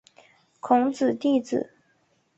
孔子弟子。